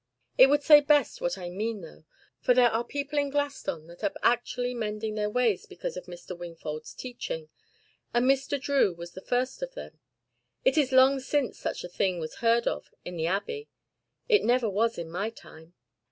It would say best what I mean though; for there are people in Glaston that are actually mending their ways because of Mr. Wingfold's teaching, and Mr. Drew was the first of them. It is long since such a thing was heard of in the Abbey. It never was in my time."